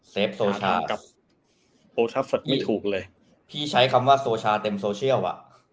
เซฟโซชาพี่ใช้คำว่าโซชาเต็มโซเชียล